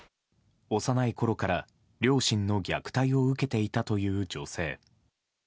幼いころから両親の虐待を受けていたという女性。